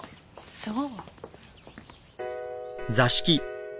そう。